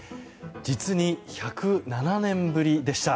実に１０７年ぶりでした。